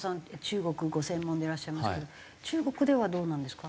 中国ご専門でいらっしゃいますけど中国ではどうなんですか？